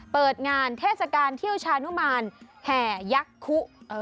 เปิดงานเทศกาลเที่ยวชานุมานแห่ยักษ์คุ